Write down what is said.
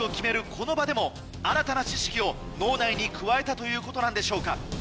この場でも新たな知識を脳内に加えたということなんでしょうか。